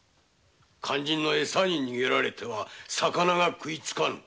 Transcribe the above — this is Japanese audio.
肝心のエサに逃げられては魚が食いつかぬ。